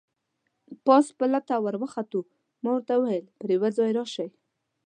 پاس پل ته ور وخوتو، ما ورته وویل: پر یوه ځای راشئ.